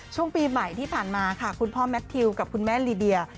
ช่วงปีใหม่ที่ผ่านมาค่ะคุณพ่อแมททิวกับคุณแม่ลีเดีย